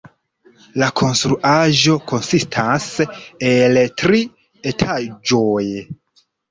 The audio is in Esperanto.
La konstruaĵo konsistas el tri etaĝoj.